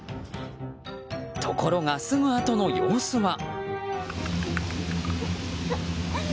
ところが、すぐあとの様子は。